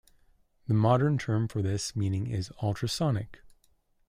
The modern term for this meaning is "ultrasonic".